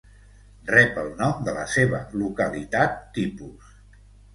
Rep el nom de la seva localitat tipus.